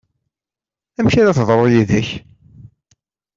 Amek ara teḍru yid-k?